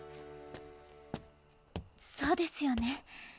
そうですよね。